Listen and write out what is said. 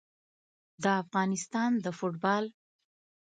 د افغانستان د فوټبال